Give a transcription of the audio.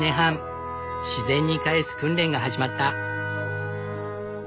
自然に返す訓練が始まった。